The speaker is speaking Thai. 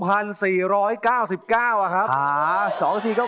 ๒๔๙๙อะครับ